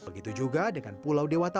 begitu juga dengan pulau dewata